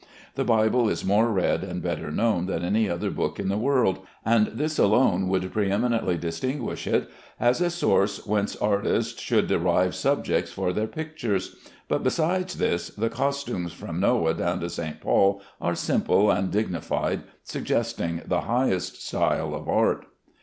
The Bible is more read and better known than any other book in the world, and this alone would preëminently distinguish it as a source whence artists should derive subjects for their pictures; but besides this, the costumes from Noah down to St. Paul are simple and dignified, suggesting the highest style of art.